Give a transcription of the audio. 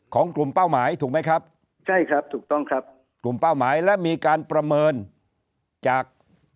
ของกลุ่มเป้าหมายถูกไหมครับใช่ครับถูกต้องครับกลุ่มเป้าหมายและมีการประเมินจาก